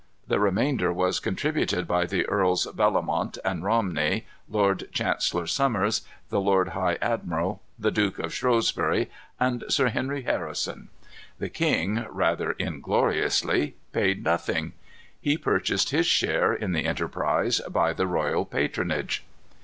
The remainder was contributed by the Earls Bellomont and Romney, Lord Chancellor Somers, the Lord High Admiral, the Duke of Shrewsbury, and Sir Henry Harrison. The king, rather ingloriously, paid nothing. He purchased his share in the enterprise by the royal patronage.